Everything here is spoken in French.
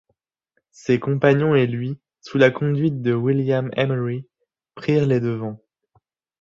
Ses compagnons et lui, sous la conduite de William Emery, prirent les devants.